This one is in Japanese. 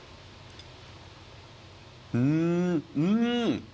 うんうん！